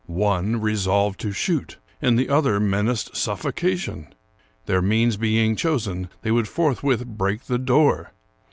One resolved to shoot, and the other menaced suffocation. Their means being chosen, they would forthwith break the door.